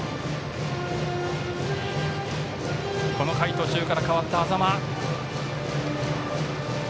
この回途中から代わった安座間。